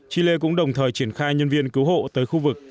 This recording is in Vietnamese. chile cũng đồng thời triển khai nhân viên cứu hộ tới khu vực